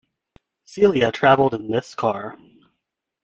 Celia travelled in this car.